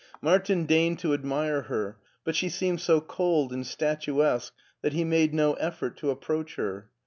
Martin deigned to admire her, but she seemed so cold and statuesque that he made no effort to approach her.